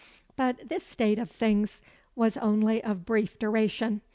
But this state of things was only of brief duration.